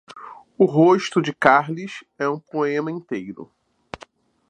O rosto de Carles é um poema inteiro.